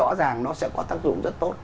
rõ ràng nó sẽ có tác dụng rất tốt